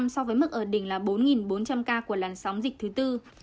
so với mức ở đỉnh là bốn bốn trăm linh ca của làn sóng dịch thứ tư